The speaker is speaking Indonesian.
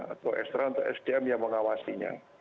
atau ekstra untuk sdm yang mengawasinya